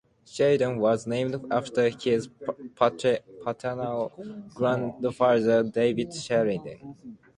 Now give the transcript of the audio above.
Sheridan was named after his paternal grandfather David Sheridan.